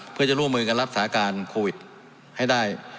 เพื่อจะร่วมมือกันรับสาการโควิดให้ได้